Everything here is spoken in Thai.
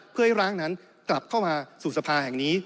เพื่อให้ร้างนั้นกลับเข้ามาสู่สภาแห่งนี้